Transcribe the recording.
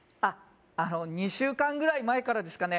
あの２週間ぐらい前からですかね